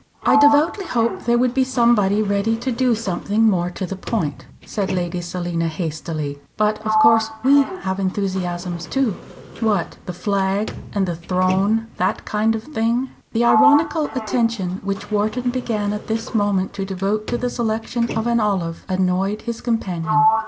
"I devoutly hope there would be somebody ready to do something more to the point," said Lady Selina, hastily. "But of course we have enthusiasms too." "What, the Flag and the Throne that kind of thing?" The ironical attention which Wharton began at this moment to devote to the selection of an olive annoyed his companion.